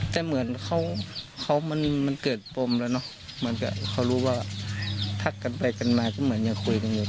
แต่เหมือนเขามันเกิดปมแล้วเนอะเหมือนกับเขารู้ว่าทักกันไปกันมาก็เหมือนยังคุยกันอยู่